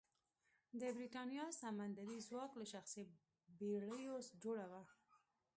د برېتانیا سمندري ځواک له شخصي بېړیو جوړه وه.